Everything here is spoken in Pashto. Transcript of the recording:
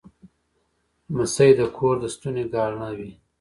لمسی د کور د ستوني ګاڼه وي.